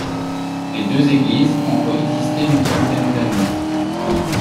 Les deux églises ont coexisté une trentaine d'années.